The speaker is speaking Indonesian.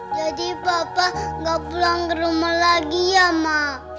jadi papa gak pulang ke rumah lagi ya ma